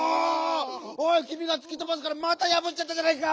おいきみがつきとばすからまたやぶっちゃったじゃないか！